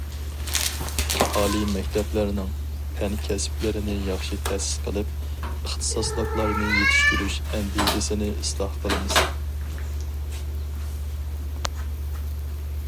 ئالىي مەكتەپلەرنىڭ پەن، كەسىپلىرىنى ياخشى تەسىس قىلىپ، ئىختىساسلىقلارنى يېتىشتۈرۈش ئەندىزىسىنى ئىسلاھ قىلىمىز.